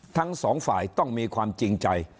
ทั้งสองฝ่ายต้องมีความจริงใจ